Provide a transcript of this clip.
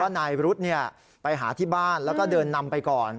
นายรุธไปหาที่บ้านแล้วก็เดินนำไปก่อน